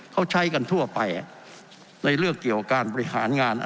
เขาใช้กันทั่วไปในเรื่องเกี่ยวกับการบริหารงาน